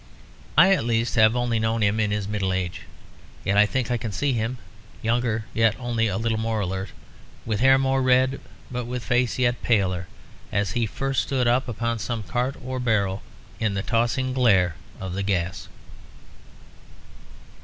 I, at least, have only known him in his middle age; yet I think I can see him, younger yet only a little more alert, with hair more red but with face yet paler, as he first stood up upon some cart or barrow in the tossing glare of the gas.